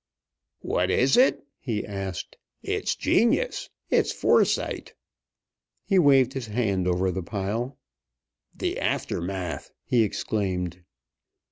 "What is it?" he asked. "It's genius! It's foresight!" He waved his hand over the pile. "The Aftermath!" he exclaimed.